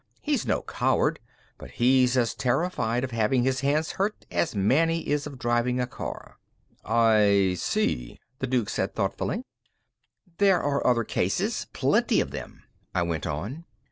He's no coward. But he's as terrified of having his hands hurt as Manny is of driving a car." "I see" the Duke said thoughtfully. "There are other cases, plenty of them," I went on.